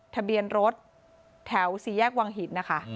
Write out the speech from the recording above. ทะเบียนรถแถว๔แยกวางหิน